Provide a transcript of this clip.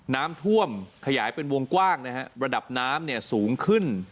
น้ำท่วมขยายเป็นวงกว้างนะฮะระดับน้ำเนี่ยสูงขึ้น